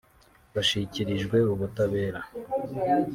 bashyikirizwe ubutabera